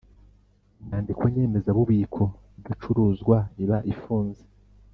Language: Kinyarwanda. Inyandiko nyemezabubiko idacuruzwa iba ifunze